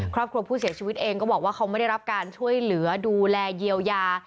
ครอบครัวผู้เสียชีวิตเองก็บอกว่าเขาไม่ได้รับการช่วยเหลือดูแลเยียวยา